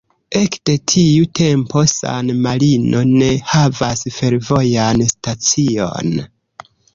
Ekde tiu tempo San-Marino ne havas fervojan stacion.